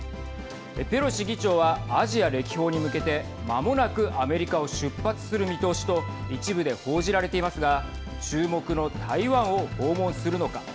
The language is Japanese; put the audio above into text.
ペロシ議長はアジア歴訪に向けてまもなくアメリカを出発する見通しと一部で報じられていますが注目の台湾を訪問するのか。